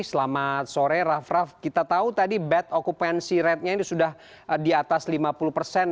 selamat sore raff raff kita tahu tadi bed occupancy ratenya ini sudah di atas lima puluh persen